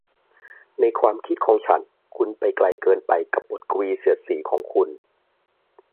ในความคิดของฉันคุณไปไกลเกินไปกับบทกวีเสียดสีของคุณ